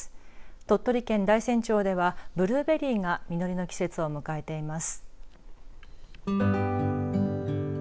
鳥取県大山町ではブルーベリーが実りの季節を迎えています。